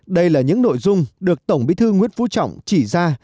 đây là những nội dung được tổng bí thư nguyễn phú trọng chỉ ra